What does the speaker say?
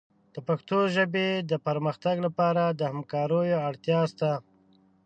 د پښتو ژبې د پرمختګ لپاره د همکاریو اړتیا شته.